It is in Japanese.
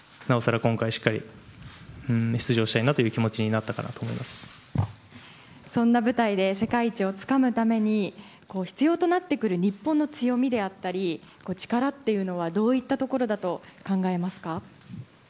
今回しっかり出場したいという気持ちになったかとそんな舞台で世界一をつかむために必要となってくる日本の強みや力というのはどういったところだと考えますか。